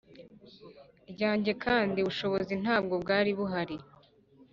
ryanjye kandi ubushobozi ntabwo bwari buhari,